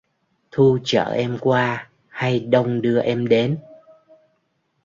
Thu chở em qua hay đông đưa em đến?